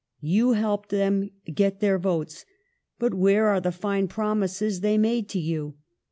You helped them to get their votes, but where are the fine promises they made to you